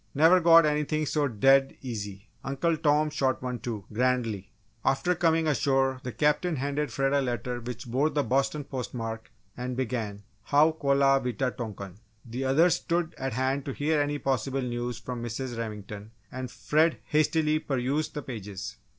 Never got anything so dead easy! Uncle Tom shot one, too," grandly. After coming ashore, the Captain handed Fred a letter which bore the Boston post mark and began "How Kolah Wita tonkan." The others stood at hand to hear any possible news from Mrs. Remington, and Fred hastily perused the pages.